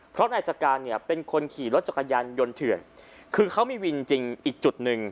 เพราะนายสการเนี่ยเป็นคนขี่รถจักรยานยนต์เถื่อนคือเขามีวินจริงอีกจุดหนึ่ง